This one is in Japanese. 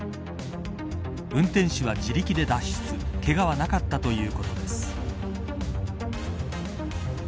運転手は自力で脱出けがはなかったということです。